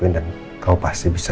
gak ada apa apa